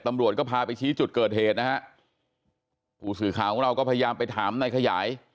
ตำรวจก็พาไปชี้จุดเกิดเหตุนะฮะผู้สื่อข่าวของเราก็พยายามไปถามนายขยาย